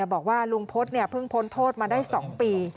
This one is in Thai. บอกว่าลุงพฤษเพิ่งพ้นโทษมาได้๒ปี